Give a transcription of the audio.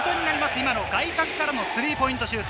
今の外角からのスリーポイントシュート。